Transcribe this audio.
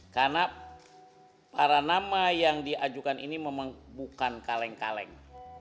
karena para nama yang diajukan ini memang bukan kaleng kaleng